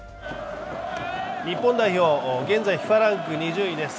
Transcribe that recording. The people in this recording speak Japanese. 日本代表、現在ＦＩＦＡランク２０位です。